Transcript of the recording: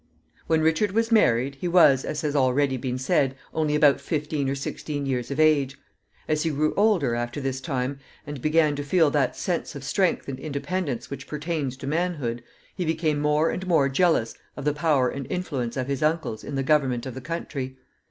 When Richard was married, he was, as has already been said, only about fifteen or sixteen years of age. As he grew older, after this time, and began to feel that sense of strength and independence which pertains to manhood, he became more and more jealous of the power and influence of his uncles in the government of the country.